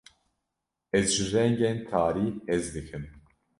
Ez ji rengên tarî hez dikim.